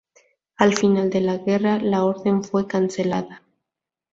Al final de la guerra, la orden fue cancelada.